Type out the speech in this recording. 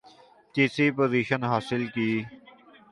تیسری پوزیشن حاصل کی